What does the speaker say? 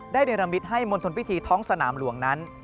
ได้เรียนรัมมิตรให้มนตรวิธีท้องสนามหลวงนั้น